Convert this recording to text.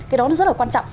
cái đó nó rất là quan trọng